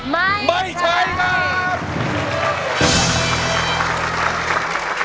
ไม่ใช่ครับ